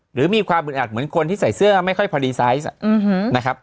หรือมีความอึดอัดเหมือนคนที่ใส่เสื้อไม่ค่อยพอดีไซส์นะครับ